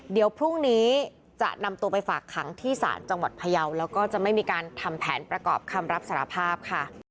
เดี๋ยวพรุ่งนี้จะนำตัวไปฝากขังที่ศาลจังหวัดพยาวแล้วก็จะไม่มีการทำแผนประกอบคำรับสารภาพค่ะ